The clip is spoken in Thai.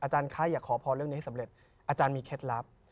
ค่ายอย่าขอพรเรื่องนี้ให้สำเร็จอาจารย์มีเคล็ดลับ